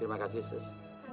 terima kasih sus